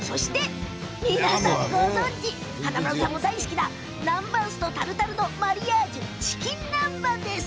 皆さん、ご存じ南蛮酢とタルタルのマリアージュチキン南蛮です。